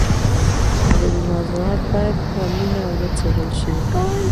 ادبي موضوعات باید په مینه وڅېړل شي.